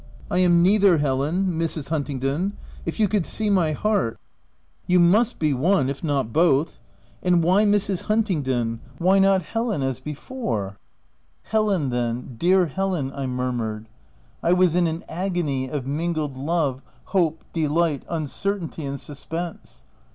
"I am neither, Helen — Mrs. Huntingdon. If you could see my heart —"" You must be one,— if not both. And why Mrs. Huntingdon ?— why not Helen, as be fore ?* 330 THE TENANT " Helen, then — dear Helen 1" I murmured. I was in an agony of mingled love, hope, de light, uncertainty, and suspense.